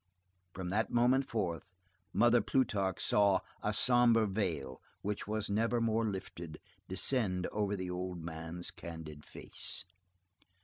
From that moment forth, Mother Plutarque saw a sombre veil, which was never more lifted, descend over the old man's candid face.